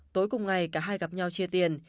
tối cùng ngày cả hai gặp nhau chia tiền